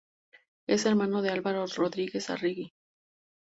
Es hermano de Álvaro Rodríguez Arregui.